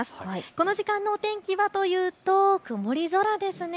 この時間のお天気はというと曇り空ですね。